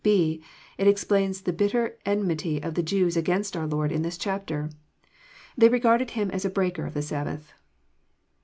^, (b) It explains the bitter enmity of the Jews against our Lord in this chapter. They regarded Him as a breaker of the Sab bath.